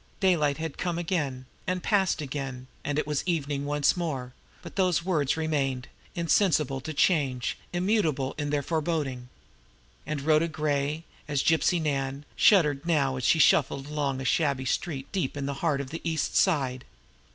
Daylight had come again, and passed again, and it was evening once more; but those words remained, insensible to change, immutable in their foreboding. And Rhoda Gray, as Gypsy Nan, shuddered now as she scuffled along a shabby street deep in the heart of the East Side.